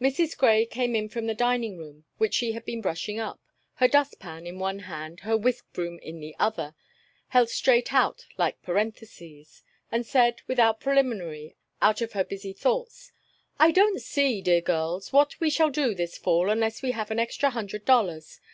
Mrs. Grey came in from the dining room, which she had been brushing up, her dust pan in one hand, her whisk broom in the other, held straight out like parentheses, and said, without preliminary, out of her busy thoughts: "I don't see, dear girls, what we shall do this fall unless we have an extra hundred dollars.